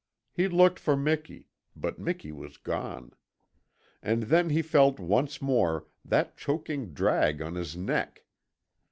He looked for Miki but Miki was gone. And then he felt once more that choking drag on his neck!